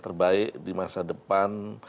terbaik di masa depan